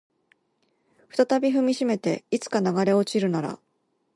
再び踏みしめていつか流れ落ちるなら